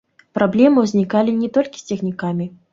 Праблемы ўзнікалі не толькі з цягнікамі.